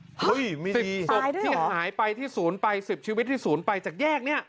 ๑๐ศพที่หายไปที่ศูนย์ไป๑๐ชีวิตที่ศูนย์ไปจากแยกเนี่ย